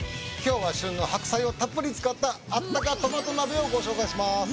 今日は旬の白菜をたっぷり使ったあったかトマト鍋をご紹介します。